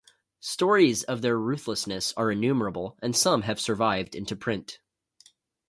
Stories of their ruthlessness are innumerable, and some have survived into print.